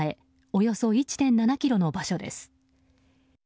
およそ１．７ｋｍの場所です。